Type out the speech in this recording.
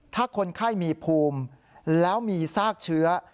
ถ้าคนไข้มีภูมิแล้วมีซากเชื้อ